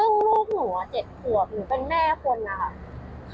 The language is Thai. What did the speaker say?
ซึ่งลูกหนู๗ขวบหนูเป็นแม่คนนะคะ